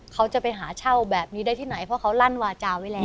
เขาจะไปหาเช่าแบบนี้ได้ที่ไหนเพราะเขาลั่นวาจาไว้แล้ว